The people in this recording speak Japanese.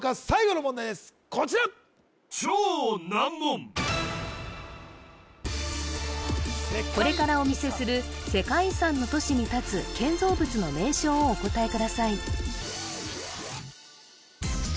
こちらこれからお見せする世界遺産の都市に立つ建造物の名称をお答えください